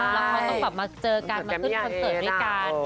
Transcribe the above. แล้วเขาต้องแบบมาเจอกันมาขึ้นคอนเสิร์ตด้วยกัน